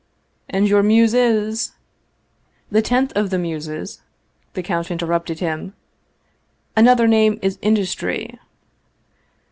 " And your muse is ?" "The tenth of the muses," the count interrupted him: " another name is Industry."